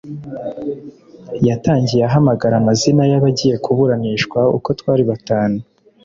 Yatangiye ahamagara amazina yabagiye kuburanishwa Uko twari batanu